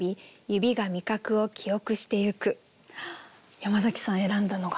山崎さん選んだのが！